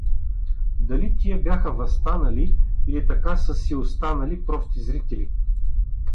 Дали тия бяха въстанали, или така са си останали прости зрители?